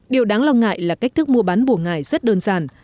điều đáng lo ngại là cách thức mua bán bùa ngải rất đơn giản